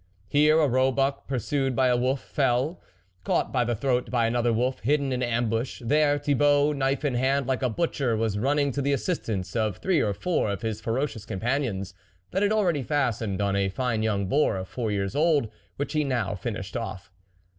Here, a roebuck pursued by a wolf, fell, caught by the throat by another wolf hidden in ambush ; there, Thibault, knife in hand like a butcher, was running to the assistance of three or four of his ferocious companions, that had already fastened on a fine young boar of four years old, which he now finished off.